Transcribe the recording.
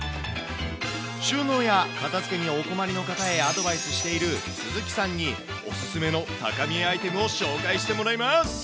収納や片づけにお困りの方へアドバイスしている鈴木さんに、お勧めの高見えアイテムを紹介してもらいます。